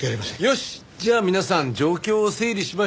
よしじゃあ皆さん状況を整理しましょう。